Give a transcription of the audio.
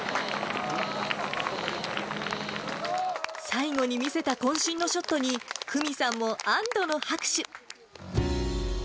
最後に見せたこん身のショットに、久美さんも安どの拍手。